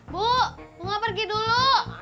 bu mau pergi dulu